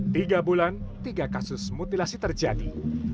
tiga bulan tiga kasus mutilasi terjadi